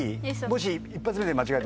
もし１発目で間違えても。